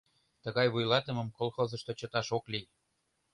Тыгай вуйлатымым колхозышто чыташ ок лий.